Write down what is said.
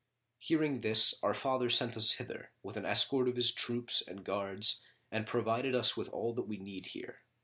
Hearing this our father sent us hither, with an escort of his troops and guards and provided us with all that we need here.